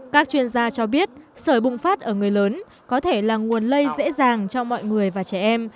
các chuyên gia cho biết sởi bùng phát ở người lớn có thể là nguồn lây dễ dàng cho mọi người và trẻ em